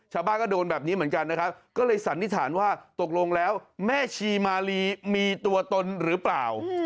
ชาวบ้านก็โดนแบบนี้เหมือนกันนะครับก็เลยสันนิษฐานว่าตกลงแล้วแม่ชีมาลีมีตัวตนหรือเปล่า